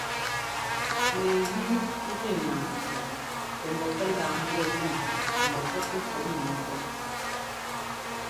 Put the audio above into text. Nɛgíi jʉ́ naŋ tsʉ́ʉ tɛ mbɔ pɛ́ laa ḿbɔɔ lɛŋ ḿbɔ́ pɛ́ kuꞌ nǔu pɔ́.